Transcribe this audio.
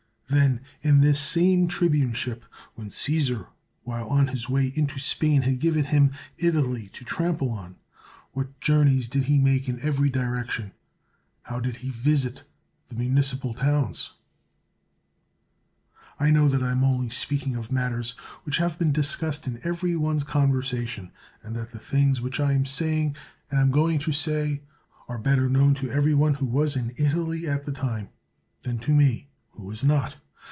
Then in this same tribuneship, when Csesar while on his way into Spain had given him Italy to trample on, what journeys did he make in every direction ! how did he visit the municipal towns ! I know that I am only speaking of mat ters which have been discussed in every one's conversation, and that the things which I am saying and am going to say are better known to every one who was in Italy at that time, than to me, who was not.